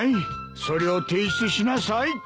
それを提出しなさい。